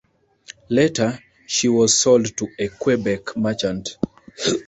Later, she was sold to a Quebec merchant.